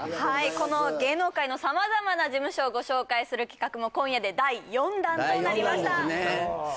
この芸能界の様々な事務所をご紹介する企画も今夜で第４弾となりました第４弾ですね